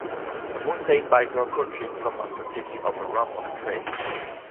A mountain biker catching some after taking off a ramp on a trail.